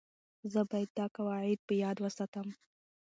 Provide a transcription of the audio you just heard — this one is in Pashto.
زه باید دا قواعد په یاد وساتم.